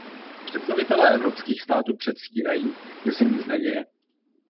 Představitelé evropských států předstírají, že se nic neděje.